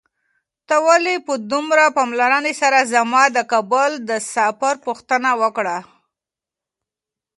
تا ولې په دومره پاملرنې سره زما د کابل د سفر پوښتنه وکړه؟